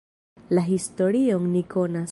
La historion ni konas.